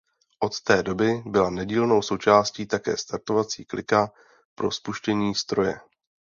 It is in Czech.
Od té doby byla nedílnou součástí také startovací klika pro spuštění stroje.